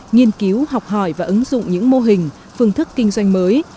nghiên cứu học hỏi và ứng dụng những mô hình phương thức kinh doanh mới